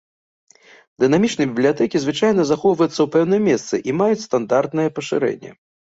Дынамічныя бібліятэкі звычайна захоўваюцца ў пэўным месцы і маюць стандартнае пашырэнне.